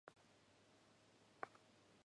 目の前にはバスロータリーが広がっている